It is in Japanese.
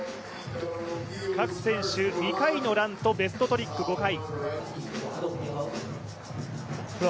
各選手、２回のランとベストトリック５回。